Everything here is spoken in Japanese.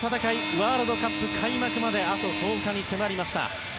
ワールドカップ開幕まであと１０日迫りました。